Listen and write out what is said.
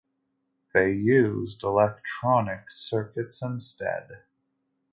They used electronic circuits instead.